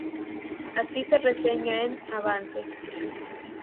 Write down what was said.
Así se reseña en "Avance.